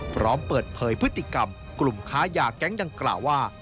พร้อมเปิดเผยพฤติกรรมกลุ่มค้ายาแก๊งดังกล่าวว่า